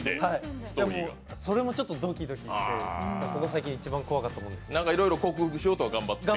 それもちょっとドキドキして、ここ最近一番怖かったものですね。